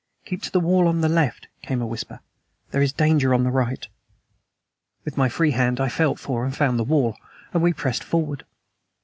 "Keep to the wall on the left," came a whisper. "There is danger on the right." With my free hand I felt for and found the wall, and we pressed forward.